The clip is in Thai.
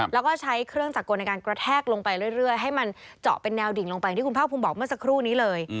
แล้วก็ใช้เครื่องจักรกลในการกระแทกลงไปเรื่อยให้มันเจาะเป็นแนวดิ่งลงไปอย่างที่คุณภาคภูมิบอกเมื่อสักครู่นี้เลย